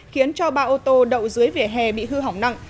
khiến cho ba ô tô đậu dưới vỉa hè bị hư hỏng nặng